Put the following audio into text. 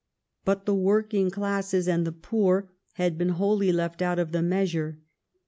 But the working classes and the poor had been wholly left out of the measure.